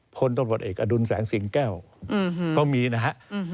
พลตำรวจเอกอดุลแสงสิงแก้วก็มีนะฮะ